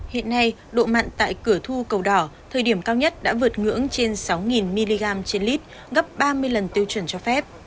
hiện nay độ mặn tại cửa thu cầu đỏ thời điểm cao nhất đã vượt ngưỡng trên sáu mg trên lít gấp ba mươi lần tiêu chuẩn cho phép